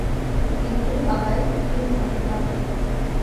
என்று அவள் தீர்மானித்தாள்.